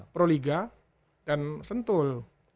proliga dan sentul